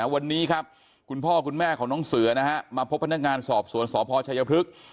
วันนี้ครับคุณพ่อคุณแม่ของน้องเสือนะฮะมาพบพนักงานสอบสวนสพชัยพฤกษ์